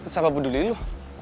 siapa peduli lo